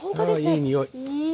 いい匂い！